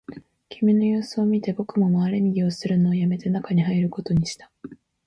君の様子を見て、僕も回れ右をするのをやめて、中に入ることにした